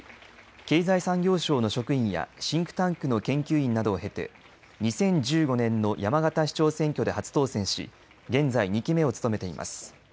経済産業省の職員やシンクタンクの研究員などを経て２０１５年の山形市長選挙で初当選し現在、２期目を務めています。